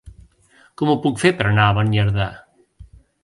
Com ho puc fer per anar a Beniardà?